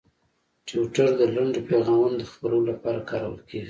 ټویټر د لنډو پیغامونو د خپرولو لپاره کارول کېږي.